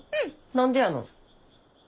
何でやの？